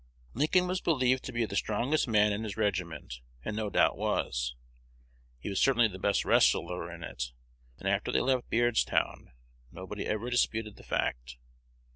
Lincoln was believed to be the strongest man in his regiment, and no doubt was. He was certainly the best wrestler in it, and after they left Beardstown nobody ever disputed the fact.